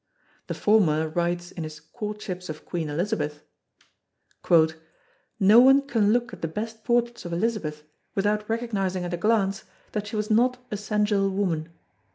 The former writes in his Courtships of Queen Elizabeth: "No one can look at the best portraits of Elizabeth without recognising at a glance that she was not a sensual woman.